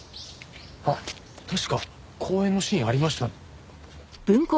あっ確か公園のシーンありました。